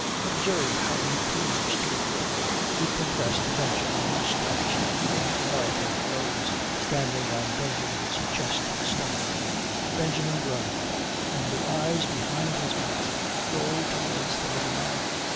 Observe how he cleaves to it." He compressed Benjamin, who squelched, into the mud, and rose, standing on Benjamin's chest and stomach. Benjamin groaned, and the eyes behind his mask rolled towards the little man.